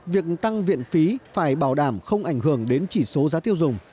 việc tăng viện phí phải bảo đảm không ảnh hưởng đến chỉ số giá tiêu dùng